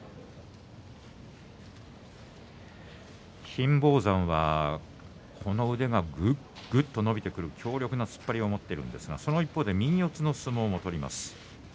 金峰山はこの腕がぐっと伸びてくると強烈な突っ張りを持っているんですが、その一方で右四つの相撲も取ります。